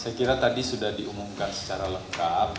saya kira tadi sudah diumumkan secara lengkap